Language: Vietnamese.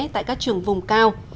tại các trường vùng cao